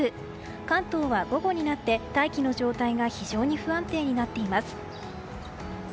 関東は午後になって大気の状態が非常に不安定になっています。